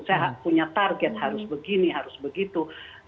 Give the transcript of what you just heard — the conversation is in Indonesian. saya punya target harus begini harus begitu